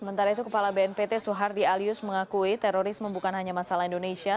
sementara itu kepala bnpt soehardi alyus mengakui terorisme bukan hanya masalah indonesia